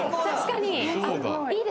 確かに！